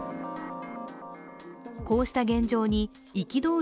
こうした現状に憤る